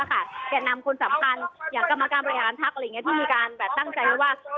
แก่นำคนสัมพันธ์อย่างกรรมกรรมรยานทักที่มีการตั้งใจว่า